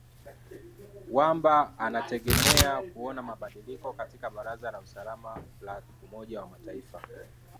wamba anategemea kuona mabadiliko katika baraza la usalama la umoja wa mataifa